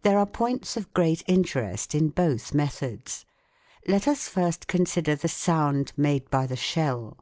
There are points of great interest in both methods. Let us first consider the sound made by the shell.